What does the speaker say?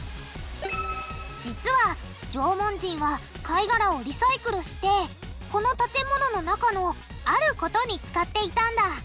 実は縄文人は貝がらをリサイクルしてこの建物の中のあることに使っていたんだ。